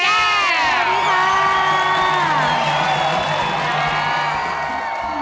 สวัสดีค่ะ